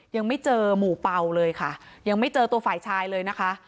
ยังไม่เจอหมู่เป่าเลยค่ะยังไม่เจอตัวฝ่ายชายเลยนะคะ